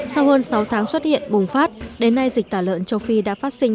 sau hơn sáu tháng xuất hiện bùng phát đến nay dịch tả lợn châu phi đã phát sinh